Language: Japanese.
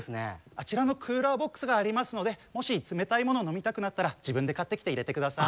あちらのクーラーボックスがありますのでもし冷たい物飲みたくなったら自分で買ってきて入れて下さい。